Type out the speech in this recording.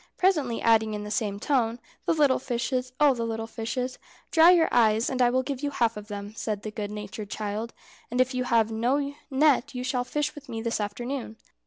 presently adding in the same tone, "The little fishes! Oh, the little fishes!" "Dry your eyes, and I will give you half of them," said the good natured child; "and if you have no net you shall fish with me this afternoon."